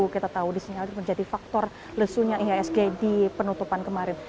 kita tahu di sini menjadi faktor lesunya ihsg di penutupan kemarin